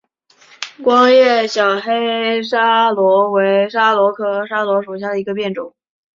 光叶小黑桫椤为桫椤科桫椤属下的一个变种。